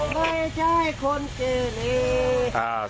ไม่ใช่คนแกนี้